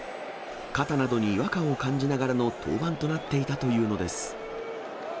肩などに違和感を感じながらの登板となっていたというのです。